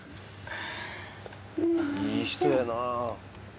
いい人やな。